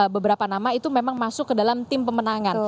beberapa nama itu memang masuk ke dalam tim pemenangan